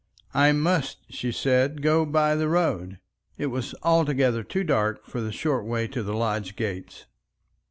I must, she said, go by the road. It was altogether too dark for the short way to the lodge gates.